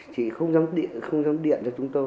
chỉ không dám điện không dám điện cho chúng tôi